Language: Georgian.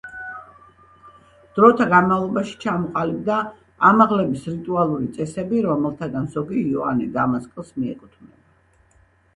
დროთა განმავლობაში ჩამოყალიბდა ამაღლების რიტუალური წესები, რომელთაგან ზოგი იოანე დამასკელს მიეკუთვნება.